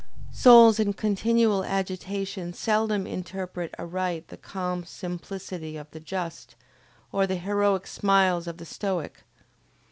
Souls in continual agitation seldom interpret aright the calm simplicity of the just, or the heroic smiles of the stoic.